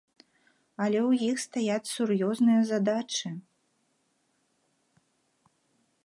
Але ў іх стаяць сур'ёзныя задачы.